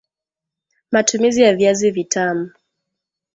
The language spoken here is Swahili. Matumizi ya Viazi Vitamu